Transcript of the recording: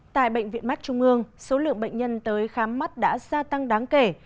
tại bệnh viện mắt trung ương số lượng bệnh nhân tới khám mắt đã gia tăng đáng kể